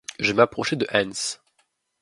Je m’approchai de Hans.